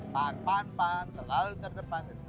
pan pan selalu terdepan